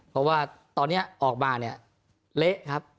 เพราะว่าตอนนี้ออกมาเนี่ยเละครับ